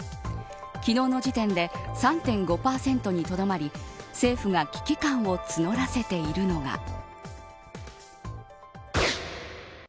昨日の時点で３．５％にとどまり政府が危機感を募らせているのが。